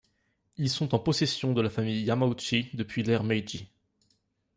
Ils sont en possession de la famille Yamauchi depuis l'ère Meiji.